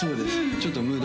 ちょっとムード